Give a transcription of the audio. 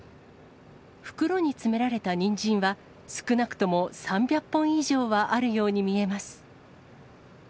袋に詰められたにんじんは、少なくとも３００本以上はあるように見えます。